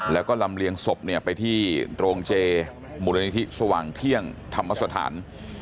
แล้วก็ลำเลียงศพเนี่ยไปที่โรงเจมูลนิธิสว่างเที่ยงธรรมสถาน